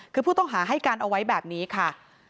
คือผู้ต้องหาให้การเอาไว้แบบนี้ค่ะ